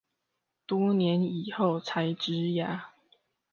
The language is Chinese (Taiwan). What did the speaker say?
多年以後才植牙